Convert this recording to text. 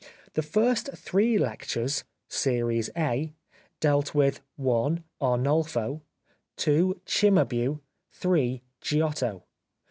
The first three lectures (Series A) dealt with (i) Arnolfo, (2) Cimabue, (3) Giotto.